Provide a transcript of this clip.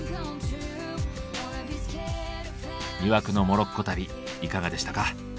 魅惑のモロッコ旅いかがでしたか。